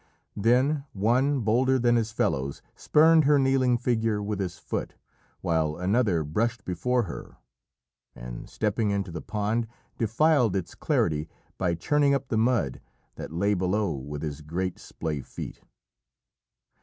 Then one, bolder than his fellows, spurned her kneeling figure with his foot, while another brushed before her and stepping into the pond, defiled its clarity by churning up the mud that lay below with his great splay feet.